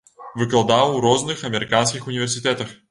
Выкладаў у розных амерыканскіх універсітэтах.